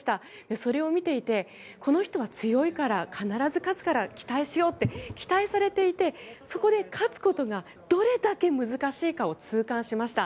それを見ていてこの人は強いから必ず勝つから期待しようって期待されていてそこで勝つことがどれだけ難しいかを痛感しました。